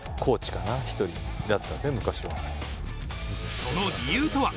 その理由とは？